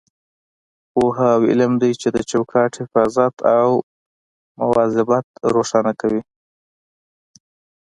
پوهه او علم دی چې د چوکاټ حفاظت او مواظبت روښانه کوي.